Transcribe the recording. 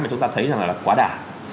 mà chúng ta thấy rằng là quá đà